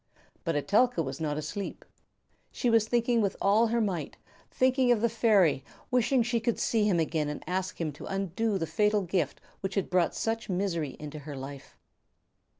But Etelka was not asleep. She was thinking with all her might, thinking of the fairy, wishing she could see him again and ask him to undo the fatal gift which had brought such misery into her life.